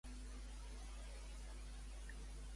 Què diu que fa amb un sol colp?